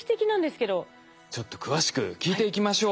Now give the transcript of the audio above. ちょっと詳しく聞いていきましょう。